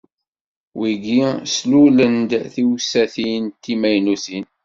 Wigi slulen-d tiwsatin timaynutin.